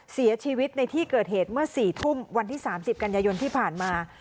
เสียชีวิตในที่เกิดเหตุเมื่อ๔ทุ่มวันที่๓๐กันยายนที่ผ่านมา